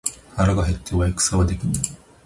腹が減っては戦はできぬ